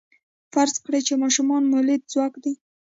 فرض کړئ چې ماشوم مؤلده ځواک دی.